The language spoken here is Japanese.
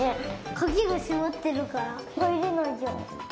かぎがしまってるからはいれないじゃん。